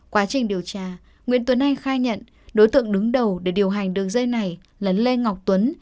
quá trình điều tra nguyễn tuấn anh khai nhận đối tượng đứng đầu để điều hành đường dây này là lê ngọc tuấn